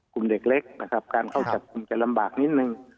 กลุ่มเด็กเล็กนะครับการเข้าจับกลุ่มจะลำบากนิดนึง